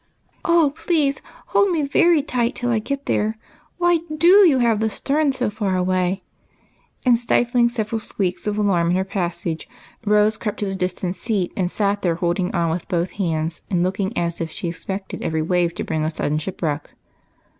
" Oh, please hold me very tight till I get there ! Why do you have the stern so far away?" and, stifling several squeaks of alarm in her passage, Rose A TRIP TO CHINA. Plilil 7S 74 . EIGHT COUSINS. crept to the distant seat, and sat there holding on with both hands and looking as if she expected every wave to bring a sudden shipwreck.